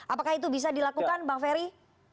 apakah itu bisa dilakukan bang ferry